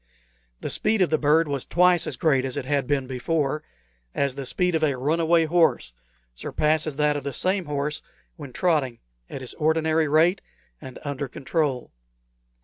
The speed of the bird was twice as great as it had been before as the speed of a runaway horse surpasses that of the same horse when trotting at his ordinary rate and under control.